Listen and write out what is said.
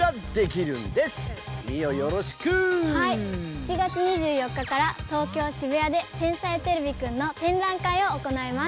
７月２４日から東京・渋谷で「天才てれびくん」の展覧会を行います。